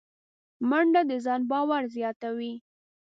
منډه د ځان باور زیاتوي